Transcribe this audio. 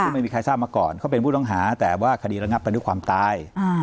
ไม่มีใครทราบมาก่อนเขาเป็นผู้ต้องหาแต่ว่าคดีระงับไปด้วยความตาย